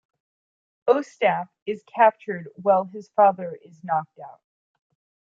Ostap is captured while his father is knocked out.